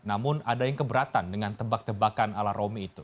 namun ada yang keberatan dengan tebak tebakan ala romi itu